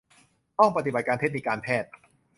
ห้องปฏิบัติการเทคนิคการแพทย์